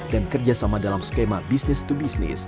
dan kerjasama dalam skema business to business